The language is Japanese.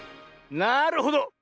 なるほど。